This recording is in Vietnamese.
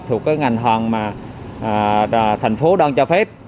thuộc ngành hoàn thành phố đoan cho phép